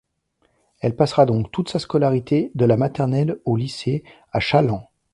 Elle passera donc toute sa scolarité de la maternelle au lycée à Challans.